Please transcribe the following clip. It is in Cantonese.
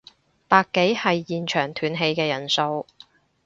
百幾係現場斷氣嘅人數